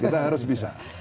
kita harus bisa